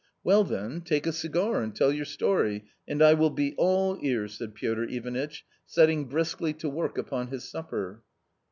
" Well, then, take a cigar and tell your story, and I will be all ears," said Piotr Ivanitch, setting briskly to work upon his supper.